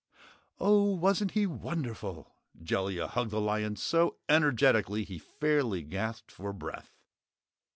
"Oh, wasn't he WONDERFUL?" Jellia hugged the lion so energetically he fairly gasped for breath.